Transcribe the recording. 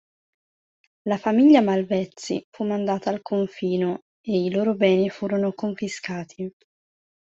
La famiglia Malvezzi fu mandata al confino e i loro beni furono confiscati.